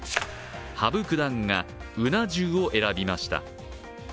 羽生九段がうな重を選びました。